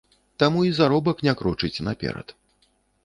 Таму і заробак не крочыць наперад.